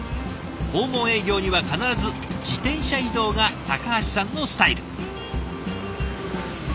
訪問営業には必ず自転車移動が橋さんのスタイル。